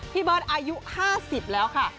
พี่เบิร์ตอายุ๕๐แล้วค่ะ